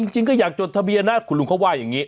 จริงก็อยากจดทะเบียนนะคุณลุงเขาว่าอย่างนี้